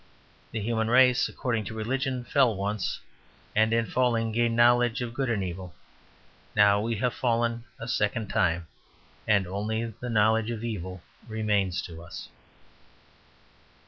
The human race, according to religion, fell once, and in falling gained knowledge of good and of evil. Now we have fallen a second time, and only the knowledge of evil remains to us.